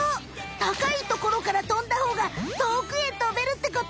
高いところからとんだほうがとおくへとべるってこと？